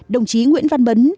đồng chí nguyễn văn mấn